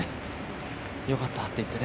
よかったっていって。